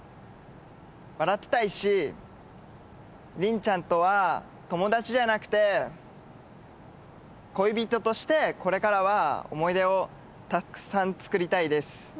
笑ってたいしりんちゃんとは友達じゃなくて恋人としてこれからは思い出をたくさん作りたいです